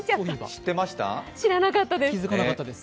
知らなかったです。